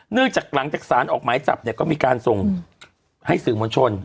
เนื่องจากหลังจากสารออกหมายจับเนี่ยก็มีการส่งให้สื่อมวลชน